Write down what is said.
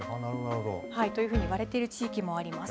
というふうに言われている地域もあります。